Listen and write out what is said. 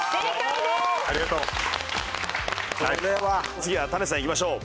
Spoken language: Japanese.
次は棚橋さんいきましょう。